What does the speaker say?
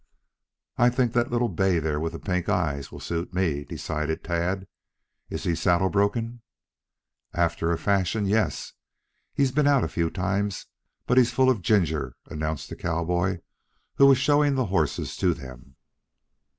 "I think that little bay there, with the pink eyes will suit me," decided Tad. "Is he saddle broken?" "After a fashion, yes. He's been out a few times. But he's full of ginger," announced the cowboy who was showing the horses to them.